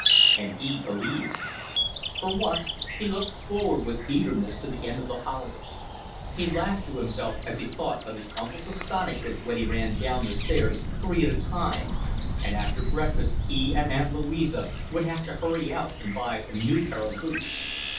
And he believed. For once he looked forward with eagerness to the end of the holidays. He laughed to himself as he thought of his uncle's astonishment when he ran down the stairs three at a time; and after breakfast he and Aunt Louisa would have to hurry out and buy a new pair of boots.